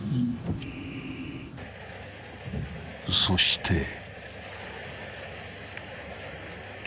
［そして］